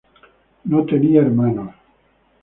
No tenía hermanos.